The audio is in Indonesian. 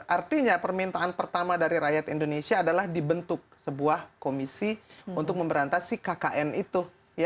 artinya permintaan pertama dari rakyat indonesia adalah dibentuk sebuah komisi untuk memberantas si kkn itu